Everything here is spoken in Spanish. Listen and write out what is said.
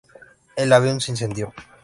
El avión se incendió.